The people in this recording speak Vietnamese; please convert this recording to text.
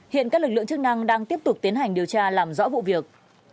hiện các lực lượng chức năng đang tiếp tục tiến hành điều tra làm rõ vụ việc